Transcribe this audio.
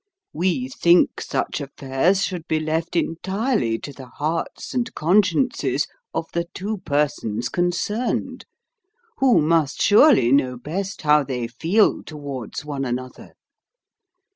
We think such affairs should be left entirely to the hearts and consciences of the two persons concerned, who must surely know best how they feel towards one another.